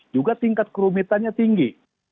juga tingkat kerumitannya tinggi